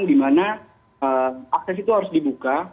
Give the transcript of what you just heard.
dimana akses itu harus dibuka